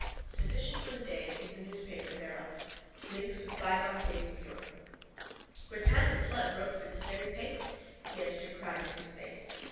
Sufficient for the day is the newspaper thereof. LINKS WITH BYGONE DAYS OF YORE —Grattan and Flood wrote for this very paper, the editor cried in his face.